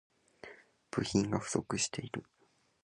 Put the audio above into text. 部品が不足している